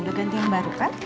udah ganti yang baru kan